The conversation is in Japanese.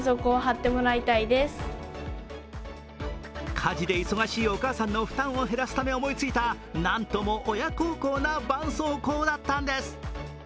家事で忙しいお母さんの負担を減らすため思いついたなんとも親孝行な絆創膏だったんです。